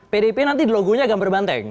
pdip nanti logonya agak berbanteng